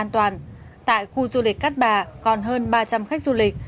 tại khu du lịch cát bà còn hơn ba trăm linh khách du lịch